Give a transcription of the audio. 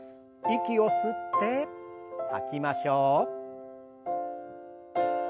息を吸って吐きましょう。